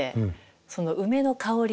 その梅の香り